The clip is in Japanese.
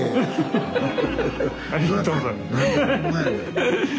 ありがとうございます。